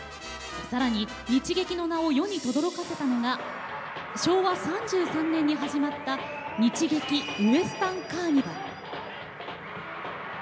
さらに日劇の名を世にとどろかせたのが昭和３３年に始まった日劇ウエスタンカーニバル。